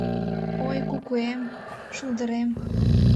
Ой, кукуэм, шулдырем